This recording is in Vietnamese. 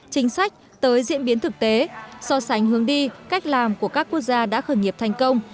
chính sách tới diễn biến thực tế so sánh hướng đi cách làm của các quốc gia đã khởi nghiệp thành công